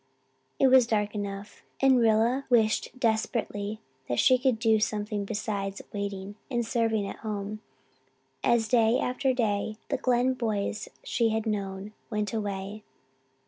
It was dark enough, and Rilla wished desperately that she could do something besides waiting and serving at home, as day after day the Glen boys she had known went away.